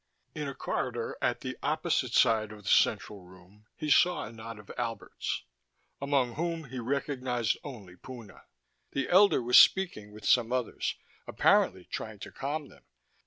In a corridor at the opposite side of the central room he saw a knot of Alberts, among whom he recognized only Puna. The elder was speaking with some others, apparently trying to calm them.